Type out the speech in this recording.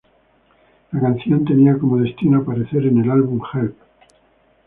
La canción tenía como destino aparecer en el álbum "Help!